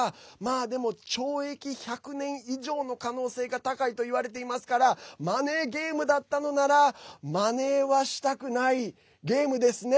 でも懲役１００年以上の可能性が高いといわれていますからマネーゲームだったのならまねはしたくないゲームですね。